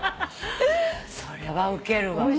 それはウケるわ。